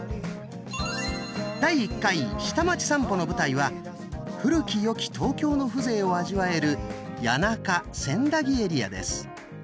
第１回下町さんぽの舞台は古き良き東京の風情を味わえる谷中・千駄木エリアです。